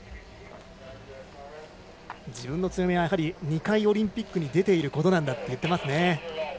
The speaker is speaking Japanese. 自分の強みは２回オリンピックに出ていることと言っています。